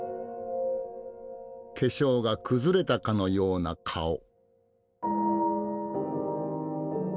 化粧が崩れたかのような顔。